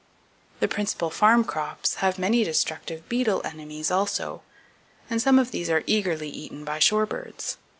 The principal farm crops have many destructive beetle enemies also, and some of these are eagerly eaten by shorebirds.